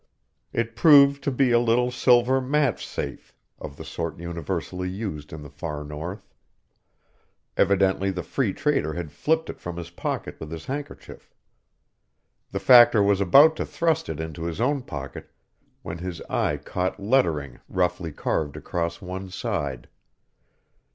It proved to be a little silver match safe of the sort universally used in the Far North. Evidently the Free Trader had flipped it from his pocket with his handkerchief. The Factor was about to thrust it into his own pocket, when his eye caught lettering roughly carved across one side.